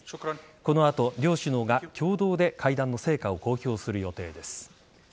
この後、両首脳が共同で会談の成果を公表する予定です。